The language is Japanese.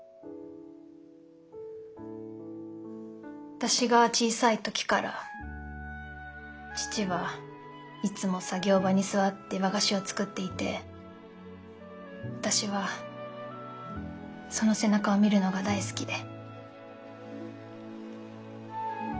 私が小さい時から父はいつも作業場に座って和菓子を作っていて私はその背中を見るのが大好きで。